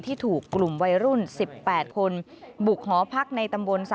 ถูกกลุ่มวัยรุ่น๑๘คนบุกหอพักในตำบล๓